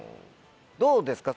どうですか？